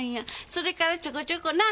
それからちょこちょこな！